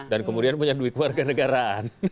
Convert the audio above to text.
dan kemudian punya duit warga negaraan